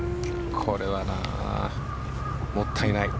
これはもったいない。